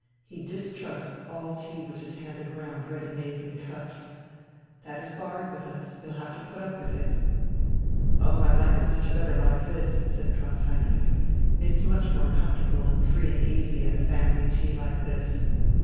He distrusts all tea which is handed round ready made in cups. That is barred with us. You'll have to put up with it." "Oh, I like it much better like this," said Klaus Heinrich, "it's much more comfortable and free and easy at a family tea like this...."